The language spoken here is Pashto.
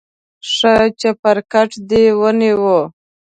ښه چپرکټ دې ونیو.